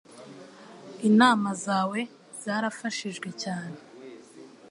Inama zawe zarafashijwe cyane.